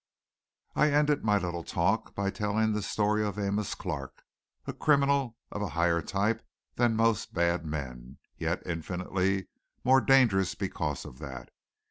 I ended my little talk by telling the story of Amos Clark, a criminal of a higher type than most bad men, yet infinitely more dangerous because of that.